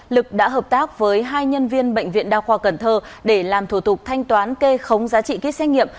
lực đã hợp tác với hai nhân viên bệnh viện đa khoa cần thơ để làm thủ tục thanh toán kê khống giá trị kýt xét nghiệm